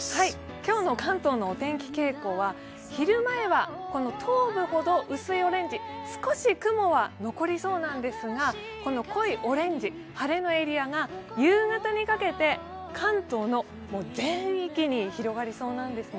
今日の関東のお天気は東部ほど薄いオレンジ、少し雲は残りそうなんですが、この濃いオレンジ、晴れのエリアが夕方にかけて関東の全域に広がりそうなんですね。